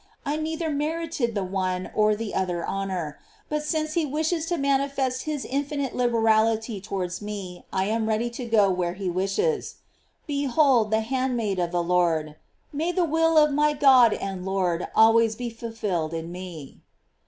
I neither mer ited the one or the other honor; but since he wishes to manifest his infinite liberality towards me, I am ready to go where he wishes. "Behold the handmaid of the Lord; " may the will of my God and Lord always bo fulfilled in me.